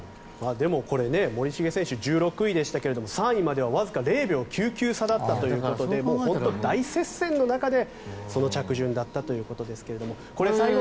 でも、森重選手１６位でしたけど３位までは、わずか０秒９９差だったということで大接戦の中でその着順だったということですけれども。